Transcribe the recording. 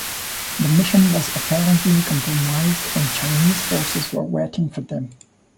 The mission was apparently compromised and Chinese forces were waiting for them.